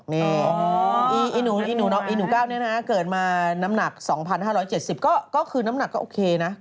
นี่นี่หนูก้าวเกิดมาน้ำหนัก๒๕๗๐ก็คือน้ำหนักโอเคนะ